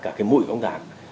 các mũi công tác